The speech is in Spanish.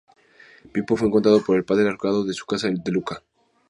Pippo fue encontrado por el padre ahorcado en su casa de Lucca.